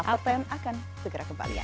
apa yang akan segera kembali ya